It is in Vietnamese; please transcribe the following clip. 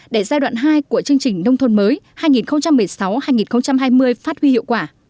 để giai đoạn hai của chương trình nông thôn mới hai nghìn một mươi sáu hai nghìn hai mươi phát huy hiệu quả